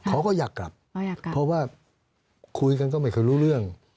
เขาก็อยากกลับเพราะว่าคุยกันก็ไม่เคยรู้เรื่อง